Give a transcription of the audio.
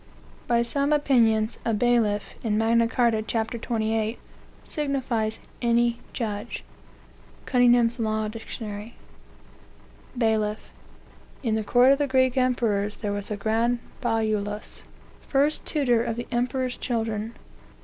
"By some opinions, a bailiff, in Magna Carta, ch. 28, signifies any judge." Cunningham's Law Dict. "BAILIFF. In the court of the Greek emperors there was a grand bajulos, first tutor of the emperor's children.